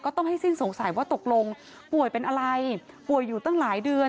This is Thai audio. ต้องให้สิ้นสงสัยว่าตกลงป่วยเป็นอะไรป่วยอยู่ตั้งหลายเดือน